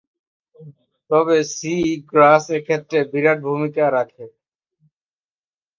তবে sea grass এক্ষেত্রে বিরাট ভুমিকা রাখে।